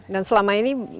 dan selama ini